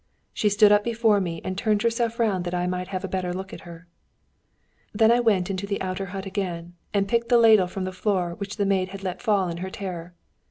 She stood up before me and turned herself round that I might have a better look at her. "Then I went into the outer hut again, and picked the ladle from the floor which the maid had let fall in her terror.